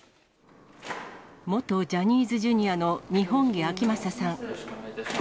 元ジャニーズＪｒ．の二本樹顕理さん。